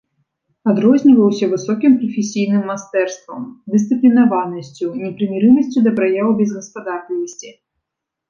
Адрозніваўся высокім прафесійным майстэрствам, дысцыплінаванасцю, непрымірымасцю да праяў безгаспадарлівасці.